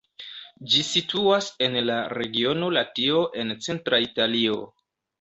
Ĝi situas en la regiono Latio en centra Italio.